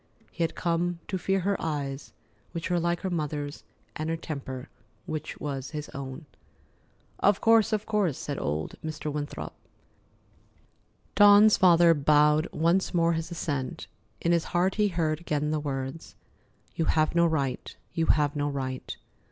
He had come to fear her eyes, which were like her mother's, and her temper, which was his own. "Of course, of course," said old Mr. Winthrop. Dawn's father bowed once more his assent. In his heart he heard again the words: "You have no right. You have no right!"